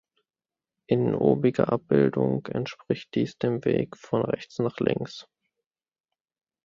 In obiger Abbildung entspricht dies dem Weg von rechts nach links.